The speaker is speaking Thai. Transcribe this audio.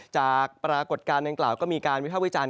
จากปรากฏการณ์แปลกประหลาดก็มีการวิธาวิจารณ์